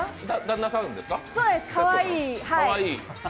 かわいい。